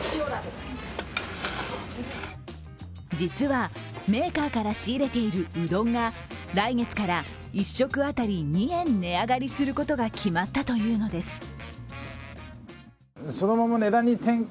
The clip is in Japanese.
実は、メーカーから仕入れているうどんが来月から１食当たり２円値上がりすることが決まったというのです。